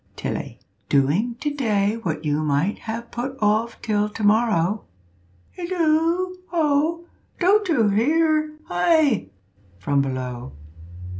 Tilly. "Doing to day what you might have put off till to morrow." ("Halloo! ho! don't you hear? hi!" from below.)